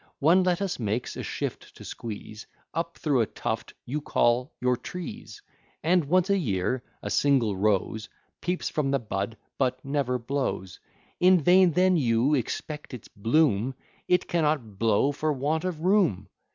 One lettuce makes a shift to squeeze Up through a tuft you call your trees: And, once a year, a single rose Peeps from the bud, but never blows; In vain then you expect its bloom! It cannot blow for want of room.